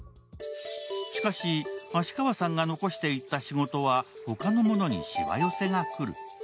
しかし、芦川さんが残していった仕事は他の者にしわ寄せがくる。